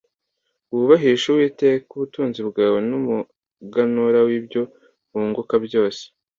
Wubahishe Uwiteka ubutunzi bwawe n’umuganura w’ibyo wunguka byose.